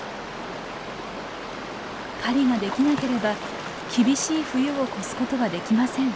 狩りができなければ厳しい冬を越すことはできません。